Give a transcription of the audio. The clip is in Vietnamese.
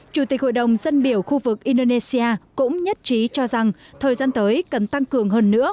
chủ tịch hội đồng dân biểu khu vực indonesia cũng nhất trí cho rằng thời gian tới cần tăng cường hơn nữa